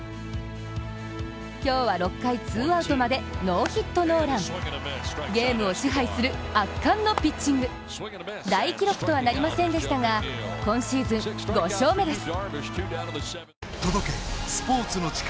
今日は６回２アウトまでノーヒットノーランゲームを支配する圧巻のピッチング大記録とはなりませんでしたが、今シーズン５勝目です